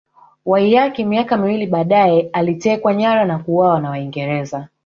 Waiyaki miaka miwili baadaye alitekwa nyara na kuuawa na Waingereza